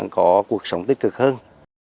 có cuộc sống tích cực hơn